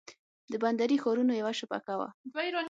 د بندري ښارونو یوه شبکه وه.